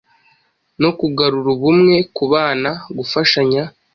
no kugarura ubumwe: Kubana - Gufashanya